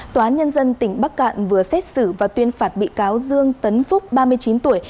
tòa án nhân dân tỉnh bắc cạn vừa xét xử và tuyên phạt bị cáo dương tấn phúc ba mươi chín tuổi